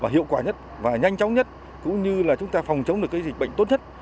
hiệu quả nhất và nhanh chóng nhất cũng như là chúng ta phòng chống được cái dịch bệnh tốt nhất